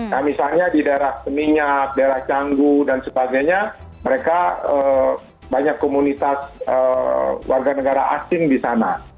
nah misalnya di daerah seminyak daerah canggu dan sebagainya mereka banyak komunitas warga negara asing di sana